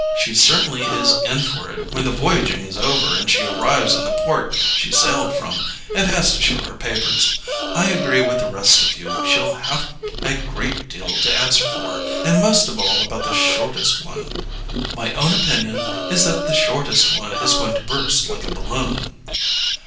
"She certainly is in for it when the voyaging is over and she arrives in the port she sailed from, and has to show her papers. I agree with the rest of you: she'll have a great deal to answer for, and most of all about the shortest one. My own opinion is that the shortest one is going to burst like a balloon."